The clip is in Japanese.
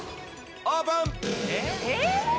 オープン！え？